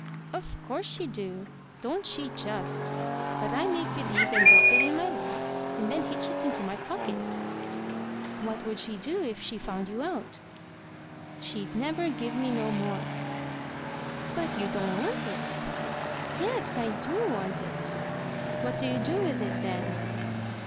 "O' course she do. Don't she just! But I make believe and drop it in my lap, and then hitch it into my pocket." "What would she do if she found you out?" "She never give me no more." "But you don't want it!" "Yes, I do want it." "What do you do with it, then?"